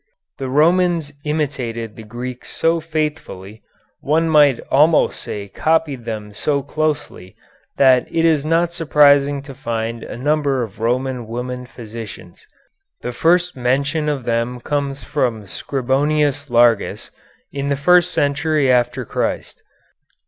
The Romans imitated the Greeks so faithfully one might almost say copied them so closely that it is not surprising to find a number of Roman women physicians. The first mention of them comes from Scribonius Largus, in the first century after Christ.